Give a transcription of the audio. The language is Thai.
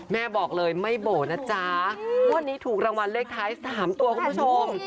แม่บอกเลยไม่โบ่นะจ๊ะงวดนี้ถูกรางวัลเลขท้าย๓ตัวคุณผู้ชม